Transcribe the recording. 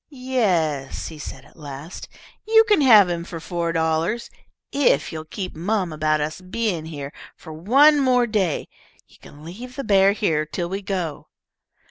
"Yes," he said, at last, "you can have him for four dollars, if you'll keep mum about us being here for one more day. You can leave the bear here till we go."